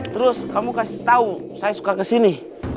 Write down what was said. terus kamu kasih tahu saya suka kesini